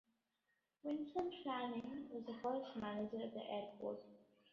Vincent Fanning was the first manager at the airport.